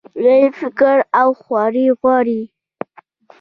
لوی فکر او خواري غواړي.